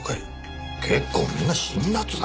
結構みんな辛辣だなあ。